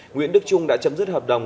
nguyễn đức trung đã chấm dứt hợp đồng